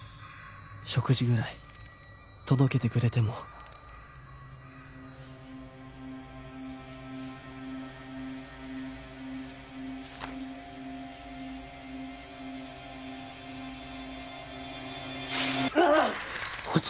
食事ぐらい届けてくれてもああーっ！